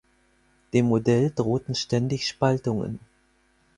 Dem Modell drohten ständig Spaltungen.